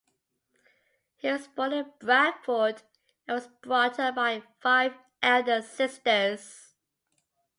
He was born in Bradford, and was brought up by five elder sisters.